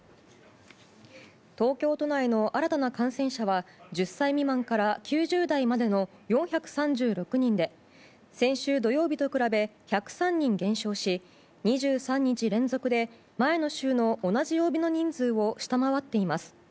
東京都内の新たな感染者は１０歳未満から９０代までの４３６人で先週土曜日と比べ１０３人減少し２３日連続で前の週の同じ曜日の人数を下回っています。